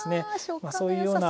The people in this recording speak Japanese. まあそういうような。